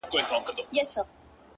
زه به په فکر وم; چي څنگه مو سميږي ژوند;